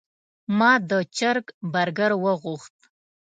ما د چرګ برګر وغوښت.